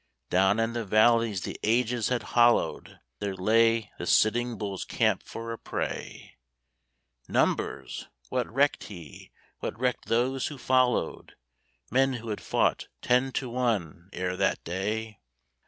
Down in the valleys the ages had hollowed, There lay the Sitting Bull's camp for a prey! Numbers! What recked he? What recked those who followed Men who had fought ten to one ere that day?